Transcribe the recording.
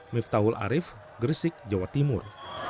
miftahul arief gresik jawa timur